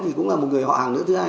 thì cũng là một người họ hàng nữa